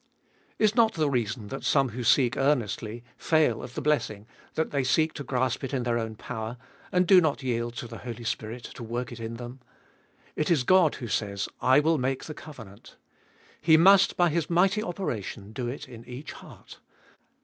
2. Is not the reason that some who seek earnestly, fail of the blessing, that they seek to grasp it in their own power, and do not yield to the Holy Spirit to work it in them. It is God who says, I will make the covenant. He must by His mighty operation do It in each heart.